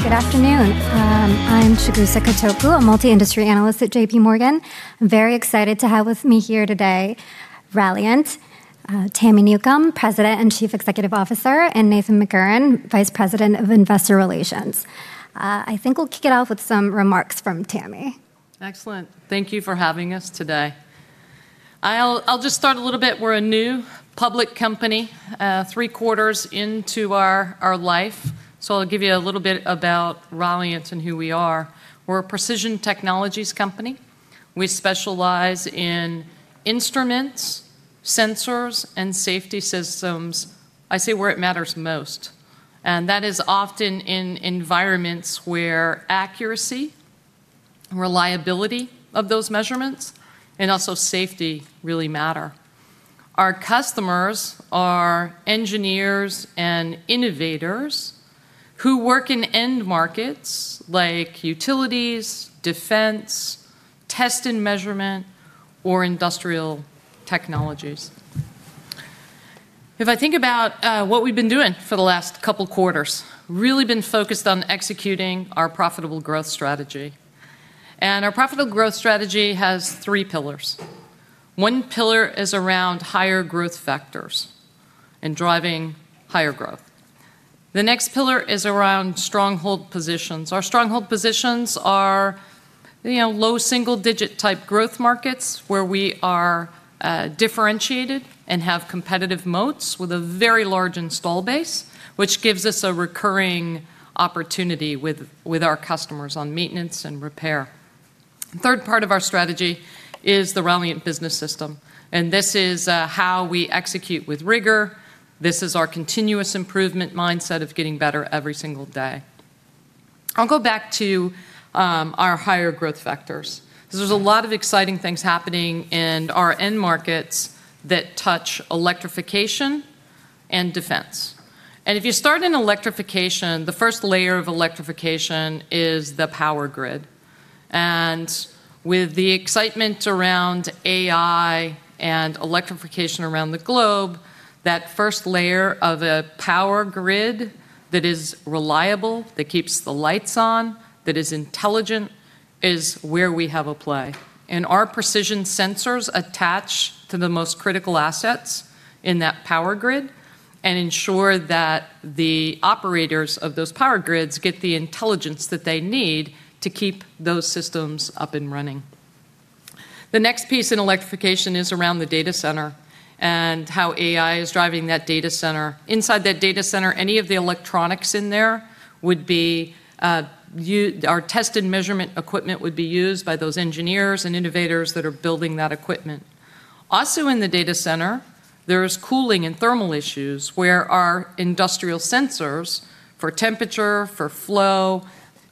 Hi, good afternoon. I'm Chigusa Katoku, a multi-industry analyst at JPMorgan. Very excited to have with me here today Ralliant, Tami Newcombe, President and Chief Executive Officer, and Nathan McCurren, Vice President of Investor Relations. I think we'll kick it off with some remarks from Tami. Excellent. Thank you for having us today. I'll just start a little bit. We're a new public company, three quarters into our life. So I'll give you a little bit about Ralliant and who we are. We're a precision technologies company. We specialize in instruments, sensors, and safety systems, I say where it matters most, and that is often in environments where accuracy, reliability of those measurements, and also safety really matter. Our customers are engineers and innovators who work in end markets like utilities, defense, test and measurement, or industrial technologies. If I think about what we've been doing for the last couple quarters, really been focused on executing our profitable growth strategy. Our profitable growth strategy has three pillars. One pillar is around higher growth vectors and driving higher growth. The next pillar is around stronghold positions. Our stronghold positions are, you know, low single-digit type growth markets where we are differentiated and have competitive moats with a very large install base, which gives us a recurring opportunity with our customers on maintenance and repair. The third part of our strategy is the Ralliant Business System. This is how we execute with rigor. This is our continuous improvement mindset of getting better every single day. I'll go back to our higher growth vectors, 'cause there's a lot of exciting things happening in our end markets that touch electrification and defense. If you start in electrification, the first layer of electrification is the power grid. With the excitement around AI and electrification around the globe, that first layer of a power grid that is reliable, that keeps the lights on, that is intelligent, is where we have a play. Our precision sensors attach to the most critical assets in that power grid and ensure that the operators of those power grids get the intelligence that they need to keep those systems up and running. The next piece in electrification is around the data center and how AI is driving that data center. Inside that data center, any of the electronics in there would be, our test and measurement equipment would be used by those engineers and innovators that are building that equipment. Also, in the data center, there is cooling and thermal issues where our industrial sensors for temperature, for flow,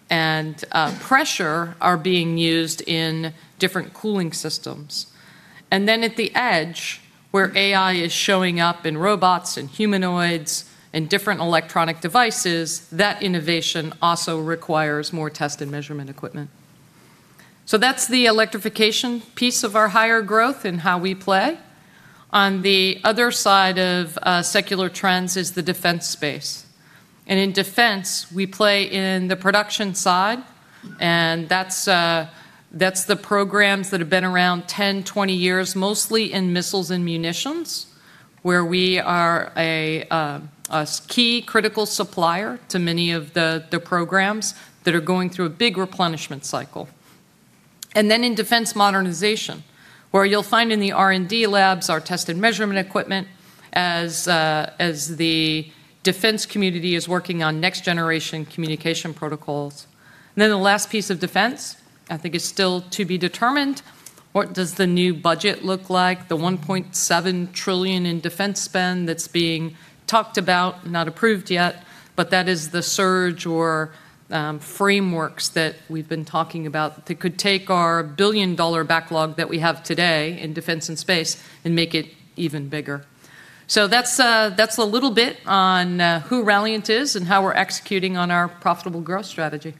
and pressure are being used in different cooling systems. At the edge, where AI is showing up in robots and humanoids and different electronic devices, that innovation also requires more test and measurement equipment. That's the electrification piece of our higher growth and how we play. On the other side of secular trends is the defense space. In defense, we play in the production side, and that's the programs that have been around 10, 20 years, mostly in missiles and munitions, where we are a key critical supplier to many of the programs that are going through a big replenishment cycle. In defense modernization, where you'll find in the R&D labs our test and measurement equipment as the defense community is working on next generation communication protocols. The last piece of defense I think is still to be determined. What does the new budget look like? The $1.7 trillion in defense spend that's being talked about, not approved yet, but that is the surge or frameworks that we've been talking about that could take our billion-dollar backlog that we have today in defense and space and make it even bigger. That's a little bit on who Ralliant is and how we're executing on our profitable growth strategy.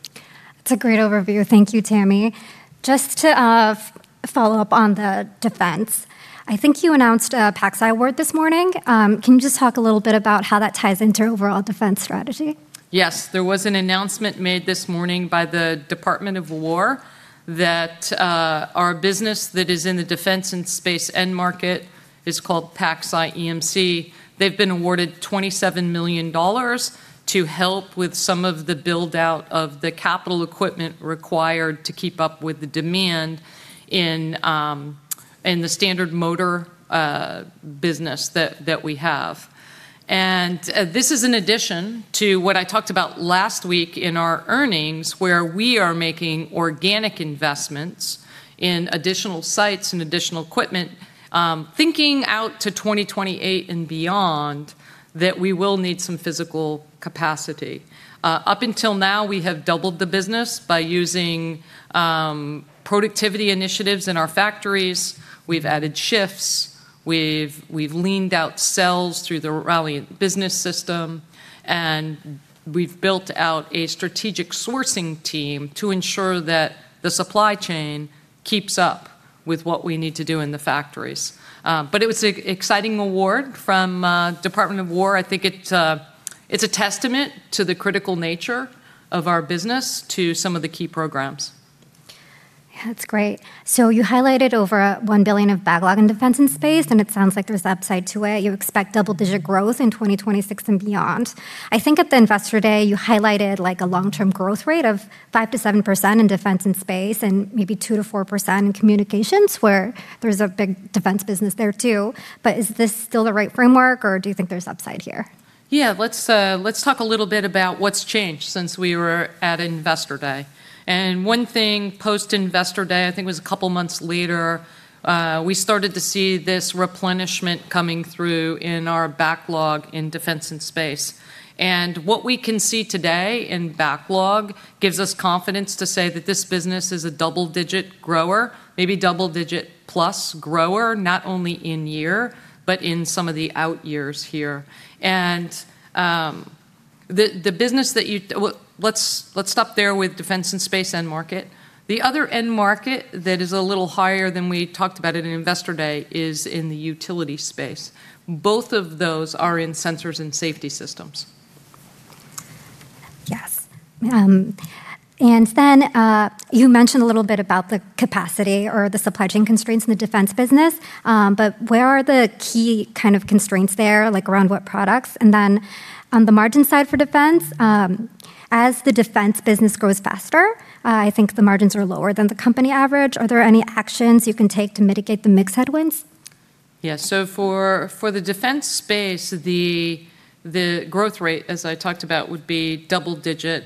That's a great overview. Thank you, Tami. Just to follow up on the defense, I think you announced a PacSci award this morning. Can you just talk a little bit about how that ties into overall defense strategy? Yes. There was an announcement made this morning by the Department of War that our business that is in the defense and space end market is called PacSci EMC. They've been awarded $27 million to help with some of the build-out of the capital equipment required to keep up with the demand in the Standard Missile business that we have. This is in addition to what I talked about last week in our earnings, where we are making organic investments in additional sites and additional equipment, thinking out to 2028 and beyond that we will need some physical capacity. Up until now, we have doubled the business by using productivity initiatives in our factories. We've added shifts, we've leaned out cells through the Ralliant Business System, and we've built out a strategic sourcing team to ensure that the supply chain keeps up with what we need to do in the factories. It was a exciting award from Department of War. I think it's a testament to the critical nature of our business to some of the key programs. Yeah, that's great. You highlighted over $1 billion of backlog in defense and space, and it sounds like there's upside to it. You expect double-digit growth in 2026 and beyond. I think at the Investor Day, you highlighted, like, a long-term growth rate of 5%-7% in defense and space, and maybe 2%-4% in communications, where there's a big defense business there, too. Is this still the right framework, or do you think there's upside here? Let's talk a little bit about what's changed since we were at Investor Day. One thing post-Investor Day, I think it was a couple months later, we started to see this replenishment coming through in our backlog in defense and space. What we can see today in backlog gives us confidence to say that this business is a double-digit grower, maybe double-digit-plus grower, not only in year, but in some of the out years here. Let's stop there with defense and space end market. The other end market that is a little higher than we talked about at Investor Day is in the utility space. Both of those are in sensors and safety systems. Yes. You mentioned a little bit about the capacity or the supply chain constraints in the defense business, but where are the key kind of constraints there, like around what products? On the margin side for defense, as the defense business grows faster, I think the margins are lower than the company average. Are there any actions you can take to mitigate the mix headwinds? Yeah. For the defense space, the growth rate, as I talked about, would be double-digit.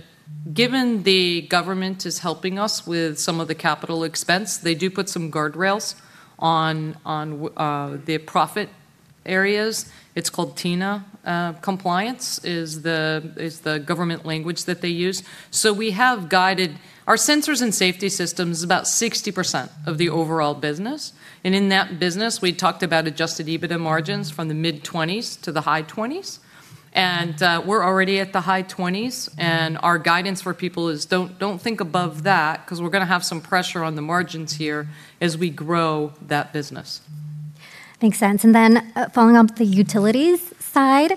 Given the government is helping us with some of the CapEx, they do put some guardrails on the profit areas. It's called TINA. Compliance is the government language that they use. We have guided our sensors and safety systems about 60% of the overall business, and in that business, we talked about adjusted EBITDA margins from the mid-20s to the high 20s. We're already at the high 20s, and our guidance for people is don't think above that 'cause we're gonna have some pressure on the margins here as we grow that business. Makes sense. Following up the utilities side,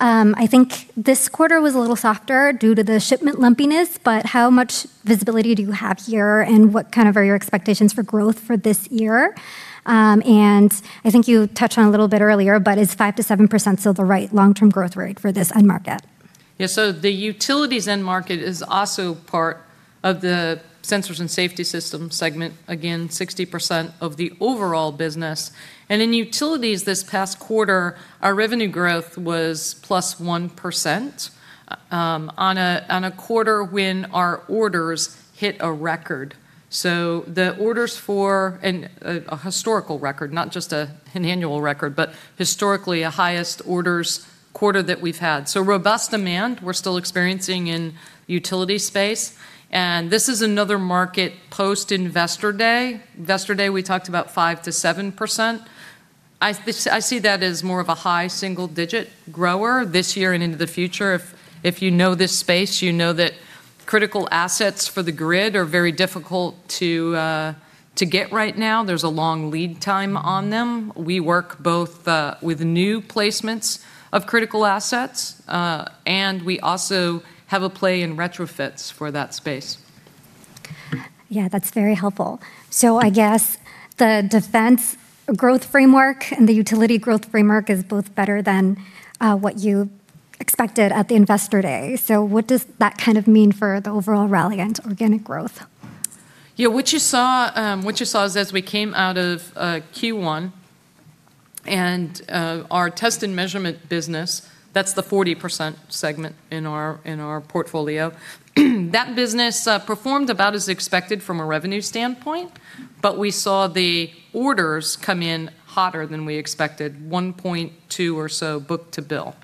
I think this quarter was a little softer due to the shipment lumpiness, but how much visibility do you have here, and what kind of are your expectations for growth for this year? I think you touched on a little bit earlier, but is 5%-7% still the right long-term growth rate for this end market? The utilities end market is also part of the sensors and safety systems segment, again, 60% of the overall business. In utilities this past quarter, our revenue growth was +1% on a quarter when our orders hit a record. The orders for a historical record, not just an annual record, but historically a highest orders quarter that we've had. Robust demand we're still experiencing in utility space, and this is another market post-Investor Day. Investor Day, we talked about 5%-7%. I see that as more of a high single digit grower this year and into the future. If you know this space, you know that critical assets for the grid are very difficult to get right now. There's a long lead time on them. We work both with new placements of critical assets, and we also have a play in retrofits for that space. Yeah, that's very helpful. I guess the defense growth framework and the utility growth framework is both better than, what you expected at the Investor Day. What does that kind of mean for the overall Ralliant organic growth? Yeah, what you saw is, as we came out of Q1 and our test and measurement business, that's the 40% segment in our portfolio. That business performed about as expected from a revenue standpoint, but we saw the orders come in hotter than we expected, 1.2 or so book-to-bill.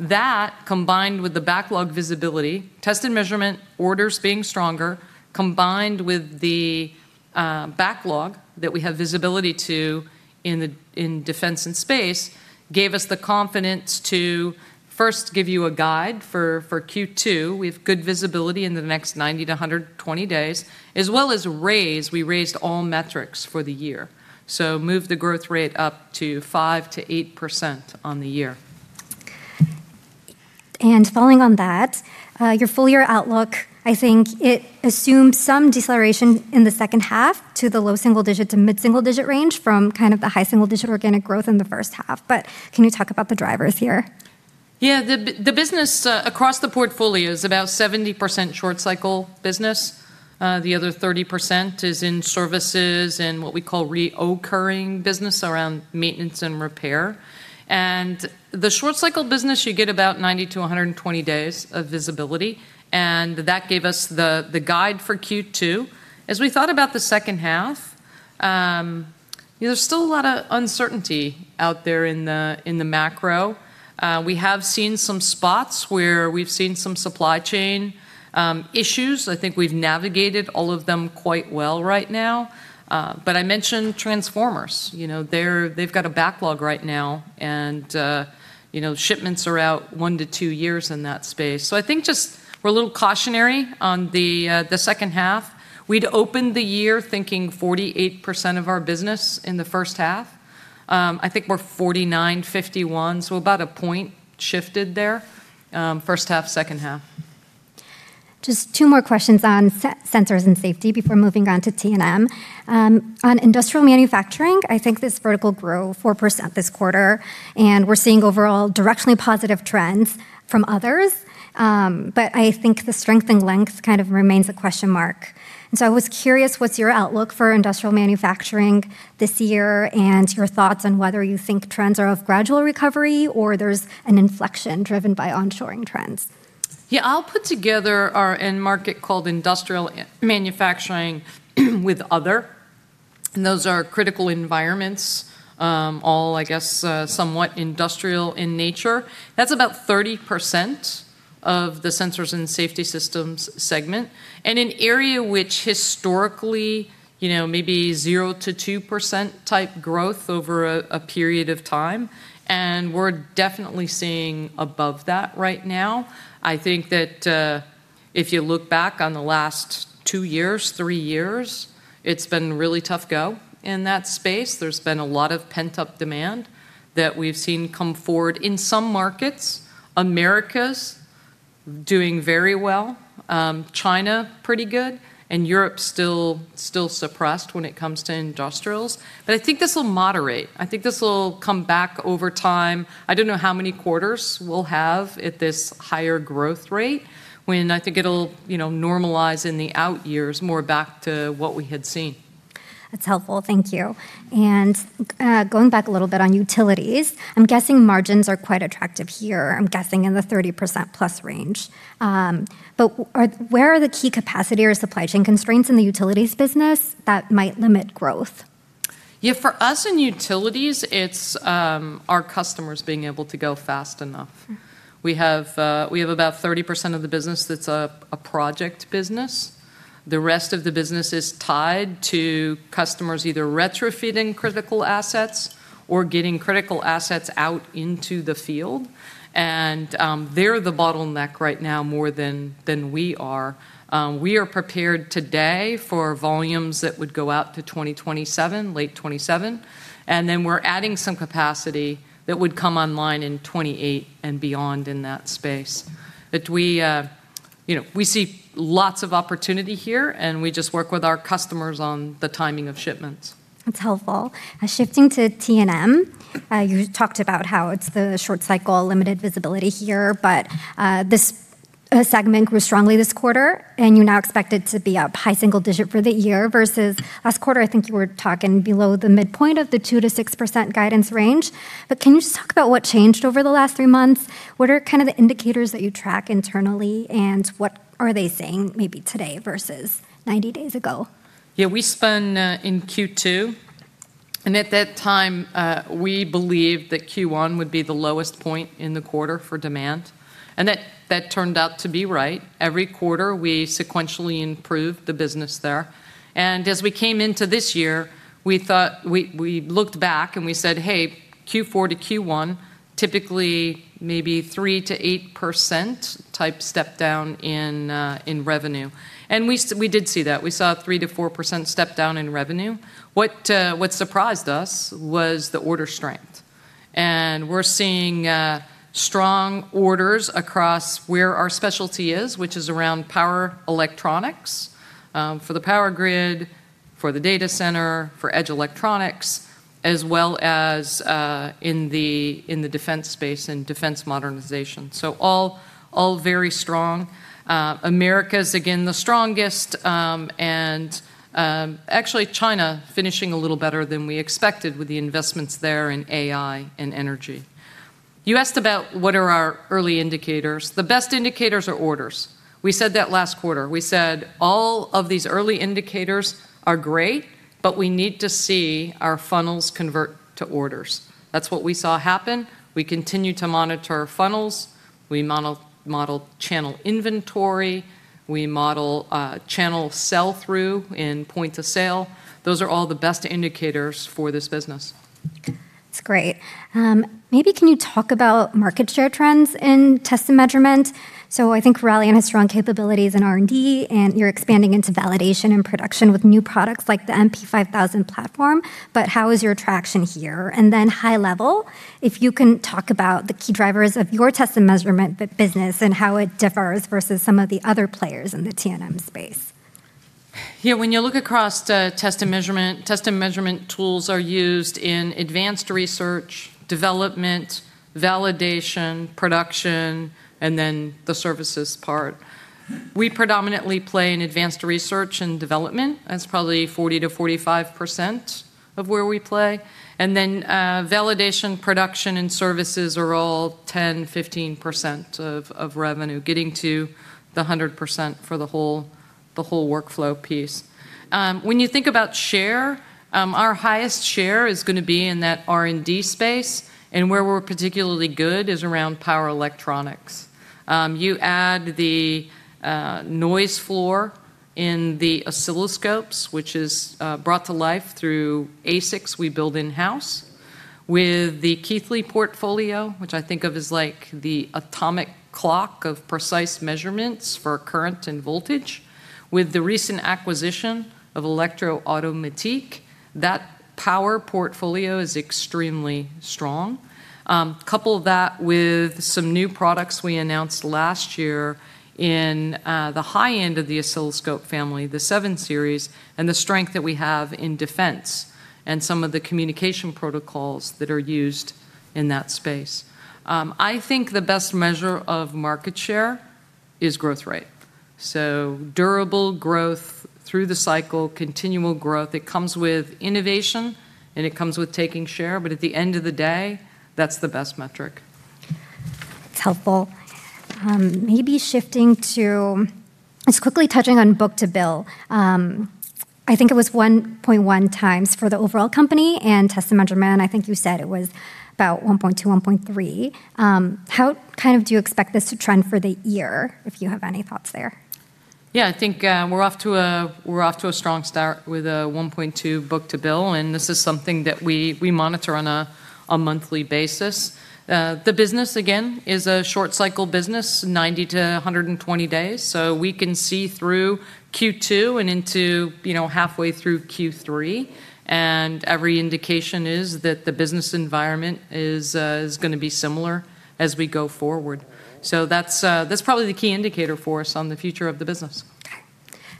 That combined with the backlog visibility, test and measurement orders being stronger, combined with the backlog that we have visibility to in defense and space, gave us the confidence to first give you a guide for Q2. We've good visibility in the next 90 days-120 days, as well as raise. We raised all metrics for the year. Moved the growth rate up to 5%-8% on the year. Following on that, your full year outlook, I think it assumes some deceleration in the second half to the low single-digit to mid-single-digit range from kind of the high single-digit organic growth in the first half. Can you talk about the drivers here? Yeah. The business across the portfolio is about 70% short cycle business. The other 30% is in services and what we call recurring business around maintenance and repair. The short cycle business, you get about 90 days-120 days of visibility, and that gave us the guide for Q2. As we thought about the second half, you know, there's still a lot of uncertainty out there in the macro. We have seen some spots where we've seen some supply chain issues. I think we've navigated all of them quite well right now. I mentioned transformers. You know, they've got a backlog right now, and, you know, shipments are out one to two years in that space. I think just we're a little cautionary on the second half. We'd opened the year thinking 48% of our business in the first half. I think we're 49%, 51%, about a point shifted there, first half, second half. Just two more questions on sensors and safety before moving on to T&M. On industrial manufacturing, I think this vertical grew 4% this quarter, and we're seeing overall directionally positive trends from others. But I think the strength and length kind of remains a question mark. I was curious what's your outlook for industrial manufacturing this year, and your thoughts on whether you think trends are of gradual recovery or there's an inflection driven by onshoring trends? Yeah, I'll put together our end market called industrial manufacturing with other, and those are critical environments. All, I guess, somewhat industrial in nature. That's about 30% of the Sensors and Safety Systems segment. And an area which historically, you know, maybe 0%-2% type growth over a period of time, and we're definitely seeing above that right now. I think that, if you look back on the last two years, three years, it's been really tough go in that space. There's been a lot of pent-up demand that we've seen come forward. In some markets, Americas doing very well. China, pretty good, and Europe still suppressed when it comes to industrials. I think this will moderate. I think this will come back over time. I don't know how many quarters we'll have at this higher growth rate when I think it'll, you know, normalize in the out years more back to what we had seen. That's helpful. Thank you. Going back a little bit on utilities, I'm guessing margins are quite attractive here. I'm guessing in the 30%+ range. Where are the key capacity or supply chain constraints in the utilities business that might limit growth? Yeah, for us in utilities, it's, our customers being able to go fast enough. We have about 30% of the business that's a project business. The rest of the business is tied to customers either retrofitting critical assets or getting critical assets out into the field. They're the bottleneck right now more than we are. We are prepared today for volumes that would go out to 2027, late 2027, then we're adding some capacity that would come online in 2028 and beyond in that space. We, you know, we see lots of opportunity here, and we just work with our customers on the timing of shipments. That's helpful. Shifting to T&M, you talked about how it's the short cycle, limited visibility here, but this segment grew strongly this quarter, and you now expect it to be up high single-digit for the year versus last quarter, I think you were talking below the midpoint of the 2%-6% guidance range. Can you just talk about what changed over the last three months? What are kind of the indicators that you track internally, and what are they saying maybe today versus 90 days ago? Yeah, we spun in Q2. At that time, we believed that Q1 would be the lowest point in the quarter for demand, and that turned out to be right. Every quarter, we sequentially improved the business there. As we came into this year, we looked back and said, "Q4 to Q1, typically maybe 3%-8% type step down in revenue." We did see that. We saw a 3%-4% step down in revenue. What surprised us was the order strength. We're seeing strong orders across where our specialty is, which is around power electronics for the power grid, for the data center, for edge electronics, as well as in the defense space and defense modernization. All very strong. America's again the strongest, actually China finishing a little better than we expected with the investments there in AI and energy. You asked about what are our early indicators. The best indicators are orders. We said that last quarter. We said all of these early indicators are great, but we need to see our funnels convert to orders. That's what we saw happen. We continue to monitor funnels. We model channel inventory. We model channel sell-through in points of sale. Those are all the best indicators for this business. That's great. maybe can you talk about market share trends in test and measurement? I think Ralliant has strong capabilities in R&D, and you're expanding into validation and production with new products like the MP5000 Series. How is your traction here? High level, if you can talk about the key drivers of your test and measurement business and how it differs versus some of the other players in the T&M space. Yeah. When you look across the test and measurement, test and measurement tools are used in advanced research, development, validation, production, and then the services part. We predominantly play in advanced research and development. That's probably 40%-45% of where we play. Then validation, production, and services are all 10%, 15% of revenue, getting to the 100% for the whole workflow piece. When you think about share, our highest share is going to be in that R&D space, and where we're particularly good is around power electronics. You add the noise floor in the oscilloscopes, which is brought to life through ASICs we build in-house. With the Keithley portfolio, which I think of as like the atomic clock of precise measurements for current and voltage. With the recent acquisition of Elektro-Automatik, that power portfolio is extremely strong. Couple that with some new products we announced last year in the high end of the oscilloscope family, the 7 Series, and the strength that we have in defense and some of the communication protocols that are used in that space. I think the best measure of market share is growth rate. Durable growth through the cycle, continual growth, it comes with innovation and it comes with taking share, but at the end of the day, that's the best metric. It's helpful. Maybe shifting to Just quickly touching on book-to-bill. I think it was 1.1 times for the overall company, and test and measurement, I think you said it was about 1.2, 1.3. How, kind of, do you expect this to trend for the year, if you have any thoughts there? We're off to a strong start with a 1.2 book to bill. This is something that we monitor on a monthly basis. The business again is a short cycle business, 90 days-120 days. We can see through Q2 and into, you know, halfway through Q3. Every indication is that the business environment is gonna be similar as we go forward. That's probably the key indicator for us on the future of the business. Okay.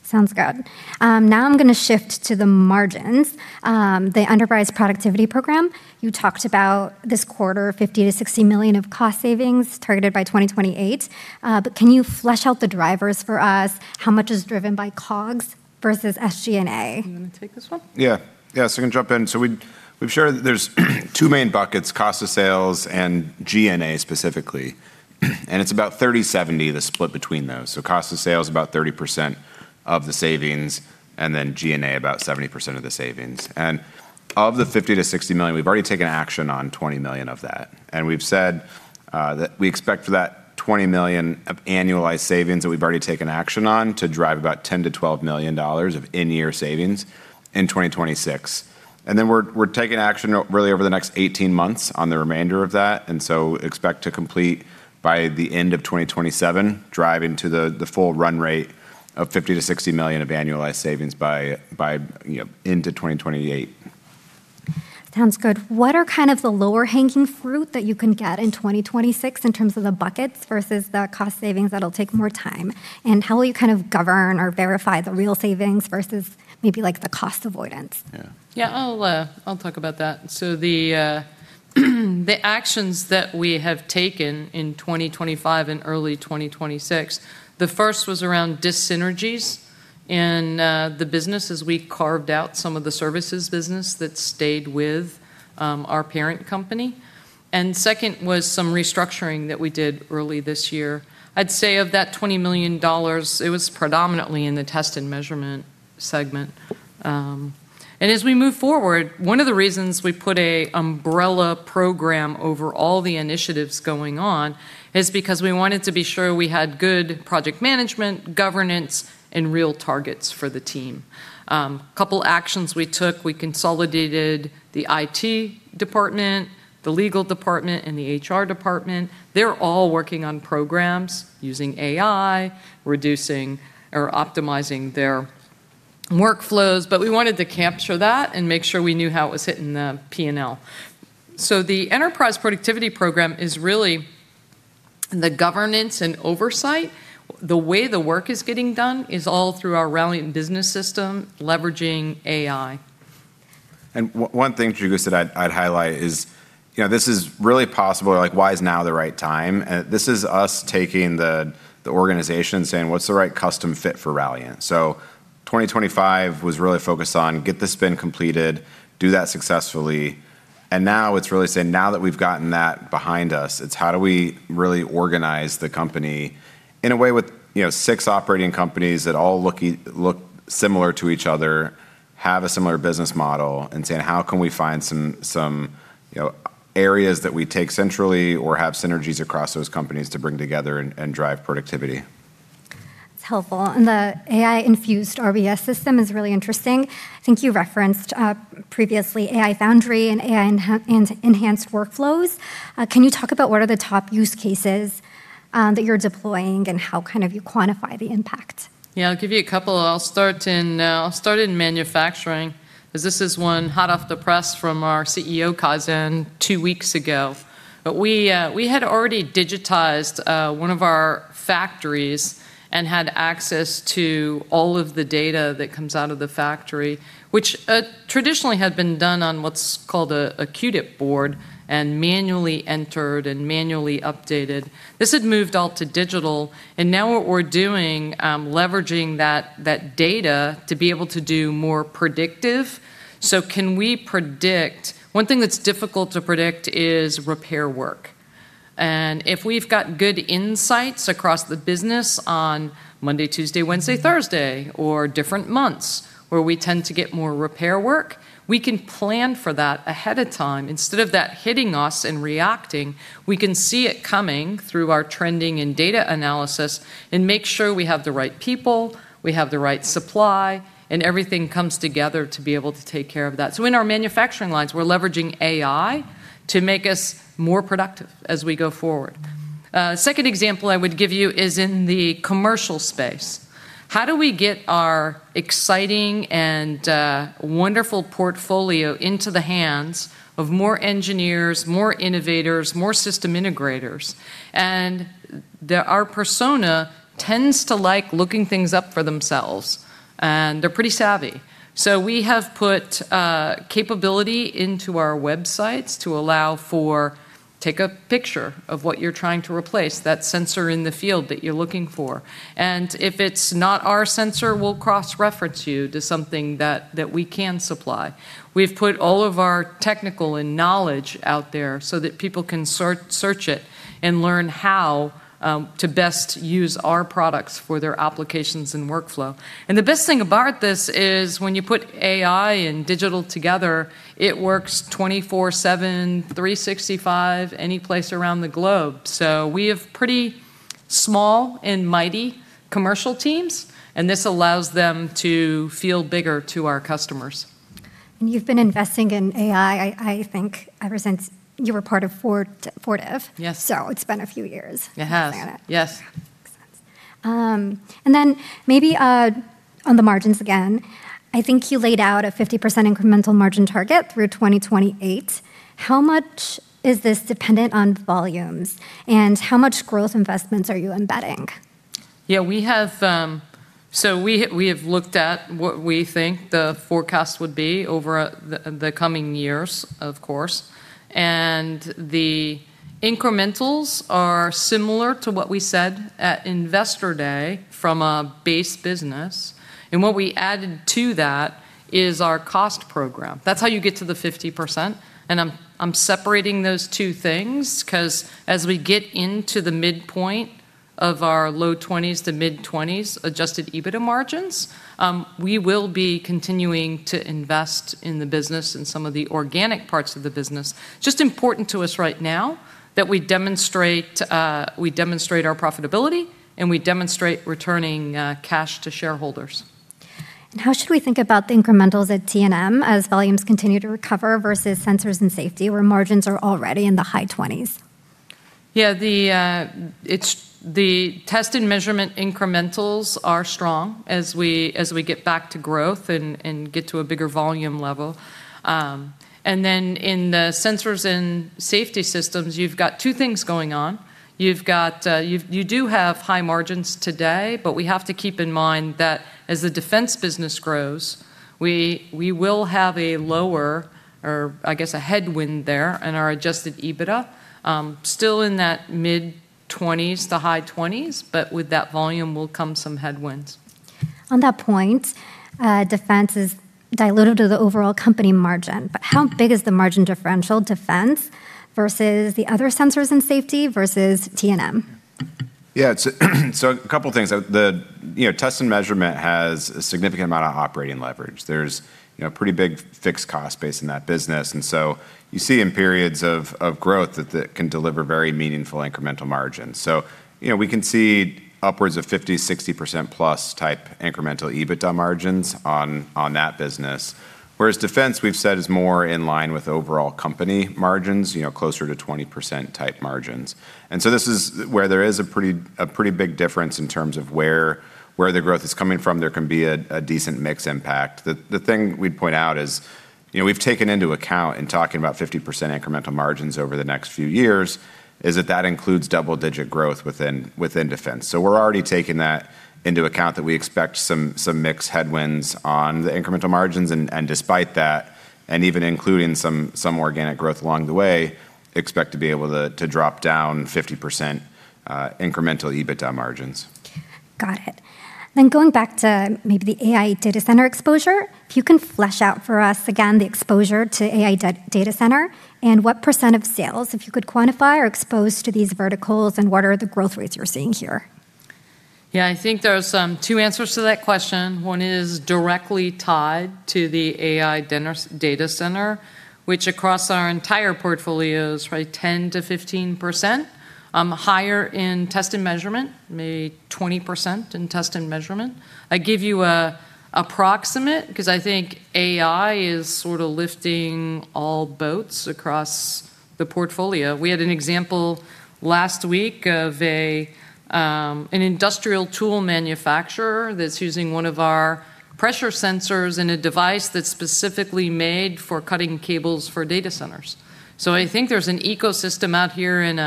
Sounds good. Now I'm gonna shift to the margins. The enterprise productivity program, you talked about this quarter, $50 million-$60 million of cost savings targeted by 2028. Can you flesh out the drivers for us? How much is driven by COGS versus SG&A? You wanna take this one? I can jump in. We've shared that there's two main buckets, Cost of Sales and G&A specifically. It's about 30/70 the split between those. Cost of Sales about 30% of the savings, G&A about 70% of the savings. Of the $50 million-$60 million, we've already taken action on $20 million of that. We've said that we expect for that $20 million of annualized savings that we've already taken action on to drive about $10 million-$12 million of in-year savings in 2026. We're taking action really over the next 18 months on the remainder of that, expect to complete by the end of 2027, driving to the full run rate of $50 million-$60 million of annualized savings by, you know, into 2028. Sounds good. What are kind of the lower hanging fruit that you can get in 2026 in terms of the buckets versus the cost savings that'll take more time? How will you kind of govern or verify the real savings versus maybe like the cost avoidance? Yeah. I'll talk about that. The actions that we have taken in 2025 and early 2026, the first was around dissynergies in the business as we carved out some of the services business that stayed with our parent company. Second was some restructuring that we did early this year. I'd say of that $20 million, it was predominantly in the test and measurement segment. As we move forward, one of the reasons we put an umbrella program over all the initiatives going on is because we wanted to be sure we had good project management, governance, and real targets for the team. Couple actions we took, we consolidated the IT department, the legal department, and the HR department. They're all working on programs using AI, reducing or optimizing their workflows. We wanted to capture that and make sure we knew how it was hitting the P&L. The enterprise productivity program is really the governance and oversight. The way the work is getting done is all through our Ralliant Business System, leveraging AI. One thing, Chigusa, that I'd highlight is, you know, this is really possible, like why is now the right time? This is us taking the organization saying, "What's the right custom fit for Ralliant?" 2025 was really focused on get the spin completed, do that successfully. Now it's really saying, now that we've gotten that behind us, it's how do we really organize the company in a way with, you know, six operating companies that all look similar to each other, have a similar business model, and saying, "How can we find some, you know, areas that we take centrally or have synergies across those companies to bring together and drive productivity? It's helpful. The AI-infused RBS system is really interesting. I think you referenced previously AI foundry and AI enhanced workflows. Can you talk about what are the top use cases that you're deploying and how kind of you quantify the impact? Yeah, I'll give you a couple. I'll start in manufacturing, 'cause this is one hot off the press from our CEO Kaizen, two weeks ago. We had already digitized one of our factories and had access to all of the data that comes out of the factory, which traditionally had been done on what's called a QDIP board and manually entered and manually updated. This had moved all to digital, and now what we're doing, leveraging that data to be able to do more predictive. Can we predict? One thing that's difficult to predict is repair work. If we've got good insights across the business on Monday, Tuesday, Wednesday, Thursday or different months where we tend to get more repair work, we can plan for that ahead of time. Instead of that hitting us and reacting, we can see it coming through our trending and data analysis and make sure we have the right people, we have the right supply, and everything comes together to be able to take care of that. In our manufacturing lines, we're leveraging AI to make us more productive as we go forward. Second example I would give you is in the commercial space. How do we get our exciting and wonderful portfolio into the hands of more engineers, more innovators, more system integrators? Their persona tends to like looking things up for themselves, and they're pretty savvy. We have put capability into our websites to allow for take a picture of what you're trying to replace, that sensor in the field that you're looking for. If it's not our sensor, we'll cross-reference you to something that we can supply. We've put all of our technical and knowledge out there so that people can search it and learn how to best use our products for their applications and workflow. The best thing about this is when you put AI and digital together, it works 24/7, 365, any place around the globe. We have pretty small and mighty commercial teams, and this allows them to feel bigger to our customers. You've been investing in AI, I think ever since you were part of Fortive. Yes. It's been a few years. It has. planning it. Yes. Makes sense. Maybe, on the margins again, I think you laid out a 50% incremental margin target through 2028. How much is this dependent on volumes, and how much growth investments are you embedding? Yeah, we have, so we have looked at what we think the forecast would be over the coming years, of course. The incrementals are similar to what we said at Investor Day from a base business. What we added to that is our cost program. That's how you get to the 50%, and I'm separating those two things 'cause as we get into the midpoint of our low 20s to mid-20s adjusted EBITDA margins, we will be continuing to invest in the business and some of the organic parts of the business. Just important to us right now that we demonstrate, we demonstrate our profitability, and we demonstrate returning cash to shareholders. How should we think about the incrementals at T&M as volumes continue to recover versus sensors and safety, where margins are already in the high twenties? Yeah, the test and measurement incrementals are strong as we get back to growth and get to a bigger volume level. In the sensors and safety systems, you've got two things going on. You've got, you do have high margins today, but we have to keep in mind that as the defense business grows, we will have a lower, or I guess a headwind there in our adjusted EBITDA. Still in that mid-20s to high 20s, with that volume will come some headwinds. On that point, defense is dilutive to the overall company margin. How big is the margin differential defense versus the other sensors and safety versus T&M? It's a couple things. The, you know, test and measurement has a significant amount of operating leverage. There's, you know, pretty big fixed cost base in that business. You see in periods of growth that can deliver very meaningful incremental margins. You know, we can see upwards of 50%+, 60%+ type incremental EBITDA margins on that business. Whereas defense, we've said, is more in line with overall company margins, you know, closer to 20% type margins. This is where there is a pretty big difference in terms of where the growth is coming from. There can be a decent mix impact. The thing we'd point out is, you know, we've taken into account in talking about 50% incremental margins over the next few years, is that that includes double-digit growth within defense. We're already taking that into account that we expect some mix headwinds on the incremental margins. Despite that, and even including some organic growth along the way, expect to be able to drop down 50% incremental EBITDA margins. Got it. Going back to maybe the AI data center exposure, if you can flesh out for us again the exposure to AI data center and what percent of sales, if you could quantify, are exposed to these verticals, and what are the growth rates you're seeing here? Yeah, I think there are some two answers to that question. One is directly tied to the AI data center, which across our entire portfolio is probably 10%-15% higher in test and measurement, maybe 20% in test and measurement. I give you a approximate 'cause I think AI is sort of lifting all boats across the portfolio. We had an example last week of an industrial tool manufacturer that's using one of our pressure sensors in a device that's specifically made for cutting cables for data centers. I think there's an ecosystem out here and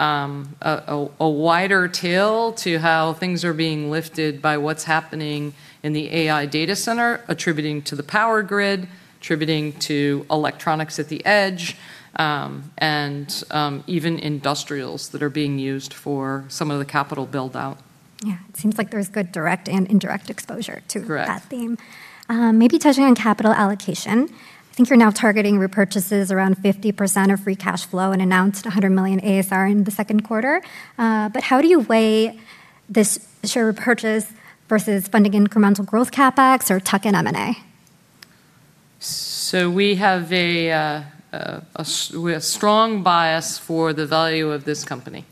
a wider tail to how things are being lifted by what's happening in the AI data center attributing to the power grid, attributing to electronics at the edge, and even industrials that are being used for some of the capital build-out. Yeah. It seems like there's good direct and indirect exposure to- Correct that theme. Maybe touching on capital allocation. I think you're now targeting repurchases around 50% of free cash flow and announced a $100 million ASR in the second quarter. How do you weigh this share repurchase versus funding incremental growth CapEx or tuck in M&A? We have a strong bias for the value of this company,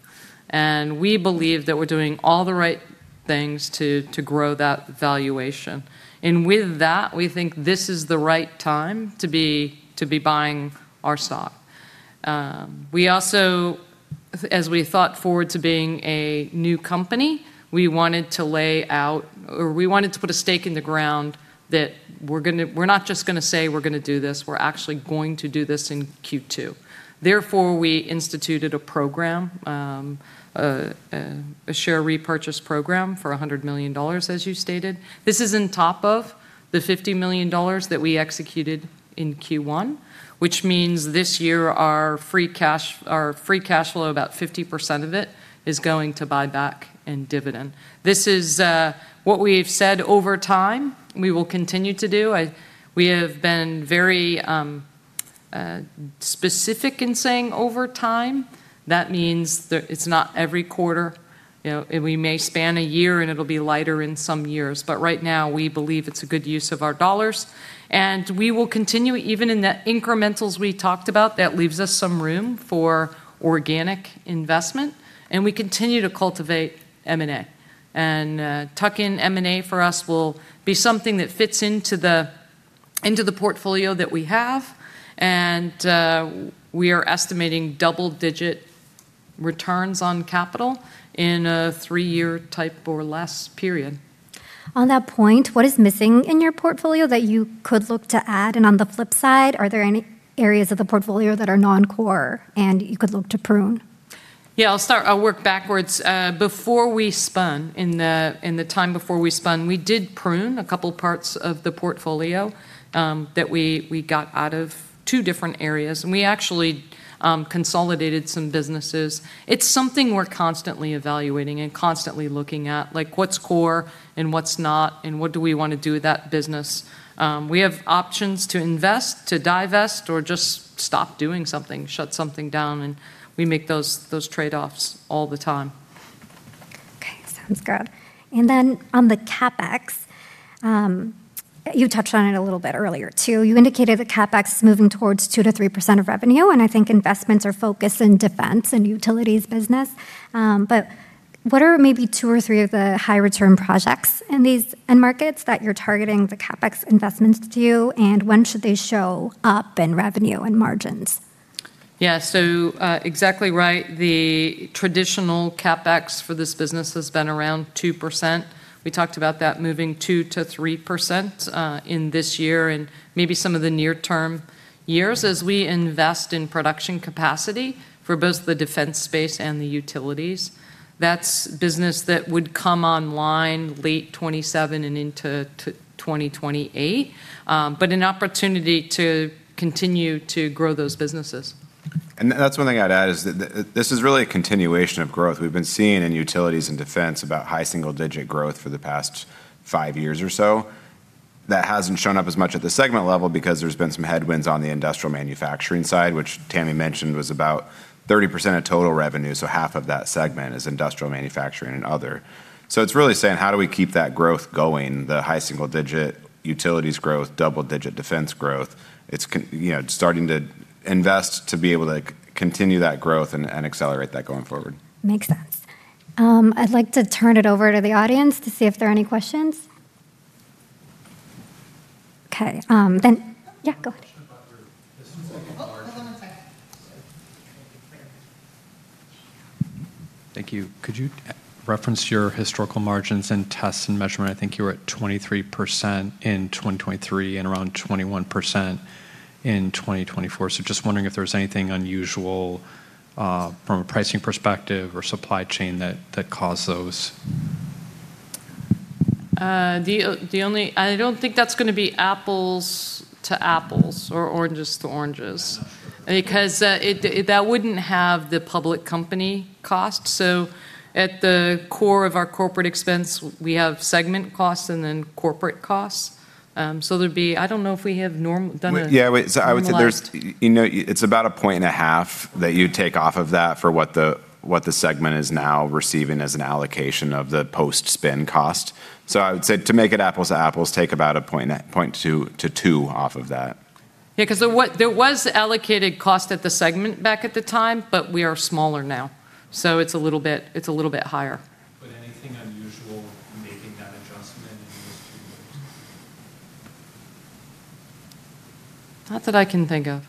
and we believe that we're doing all the right things to grow that valuation. With that, we think this is the right time to be buying our stock. We also, as we thought forward to being a new company, we wanted to lay out, or we wanted to put a stake in the ground that we're not just gonna say we're gonna do this, we're actually going to do this in Q2. Therefore, we instituted a program, a share repurchase program for $100 million, as you stated. This is on top of the $50 million that we executed in Q1, which means this year our free cash flow, about 50% of it, is going to buyback and dividend. This is what we've said over time we will continue to do. We have been very specific in saying over time. That means that it's not every quarter, you know. We may span a year, and it'll be lighter in some years. Right now we believe it's a good use of our dollars. We will continue even in the incrementals we talked about, that leaves us some room for organic investment, and we continue to cultivate M&A. Tuck in M&A for us will be something that fits into the portfolio that we have. We are estimating double-digit returns on capital in a three-year type or less period. On that point, what is missing in your portfolio that you could look to add? On the flip side, are there any areas of the portfolio that are non-core and you could look to prune? Yeah, I'll start, I'll work backwards. Before we spun, we did prune a couple parts of the portfolio that we got out of two different areas. We actually consolidated some businesses. It's something we're constantly evaluating and constantly looking at, like what's core and what's not, and what do we wanna do with that business. We have options to invest, to divest, or just stop doing something, shut something down, and we make those trade-offs all the time. Okay. Sounds good. On the CapEx, you touched on it a little bit earlier, too. You indicated the CapEx is moving towards 2%-3% of revenue, and I think investments are focused in defense and utilities business. What are maybe two or three of the high return projects in these end markets that you're targeting the CapEx investments to do, and when should they show up in revenue and margins? Yeah. Exactly right. The traditional CapEx for this business has been around 2%. We talked about that moving 2%-3% in this year and maybe some of the near term years as we invest in production capacity for both the defense space and the utilities. That's business that would come online late 2027 and into 2028. An opportunity to continue to grow those businesses. That's one thing I'd add, is that this is really a continuation of growth. We've been seeing in utilities and defense about high single digit growth for the past five years or so. That hasn't shown up as much at the segment level because there's been some headwinds on the industrial manufacturing side, which Tami mentioned was about 30% of total revenue, so half of that segment is industrial manufacturing and other. It's really saying, how do we keep that growth going? The high single digit utilities growth, double digit defense growth. It's, you know, starting to invest to be able to, like, continue that growth and accelerate that going forward. Makes sense. I'd like to turn it over to the audience to see if there are any questions. Okay. Yeah, go ahead. Thank you. Could you reference your historical margins in test and measurement? I think you were at 23% in 2023 and around 21% in 2024. Just wondering if there was anything unusual from a pricing perspective or supply chain that caused those? I don't think that's gonna be apples to apples or oranges to oranges. Yeah, not sure. That wouldn't have the public company cost. At the core of our corporate expense, we have segment costs and then corporate costs. Yeah. Wait, I would say. a last you know, it's about a point and a half that you'd take off of that for what the, what the segment is now receiving as an allocation of the post-spin cost. I would say to make it apples to apples, take about 1.2 to 2 off of that. 'Cause there was allocated cost at the segment back at the time, but we are smaller now. It's a little bit higher. Anything unusual making that adjustment in those two years? Not that I can think of.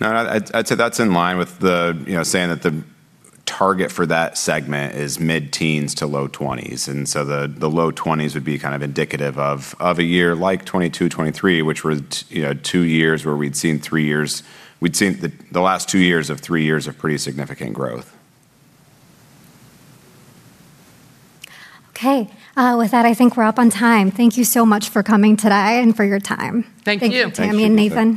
No. I'd say that's in line with the, you know, saying that the target for that segment is mid-teens to low 20s. The low 20s would be kind of indicative of a year like 2022, 2023, which were you know, we'd seen the last two years of three years of pretty significant growth. Okay. With that, I think we're up on time. Thank you so much for coming today and for your time. Thank you. Thank you, Tami and Nathan.